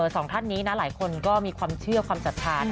สองท่านนี้นะหลายคนก็มีความเชื่อความศรัทธา